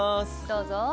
どうぞ。